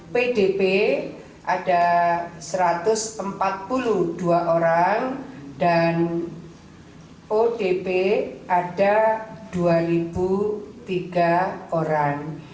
pdp ada satu ratus empat puluh dua orang dan odp ada dua tiga orang